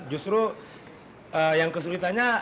justru yang kesulitannya